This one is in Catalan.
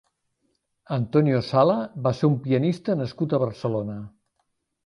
Antonio Sala va ser un pianista nascut a Barcelona.